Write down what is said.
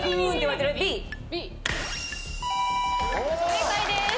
正解です。